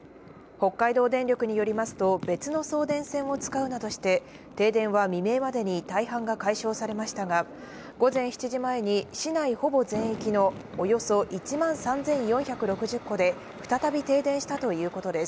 北海道電力によりますと、別の送電線を使うなどして停電は未明までに大半が解消されましたが、午前７時前に市内ほぼ全域のおよそ１万３４６０戸で再び停電したということです。